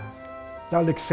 cho lịch sử rộng về lịch sử